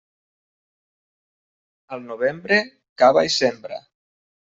Al novembre, cava i sembra.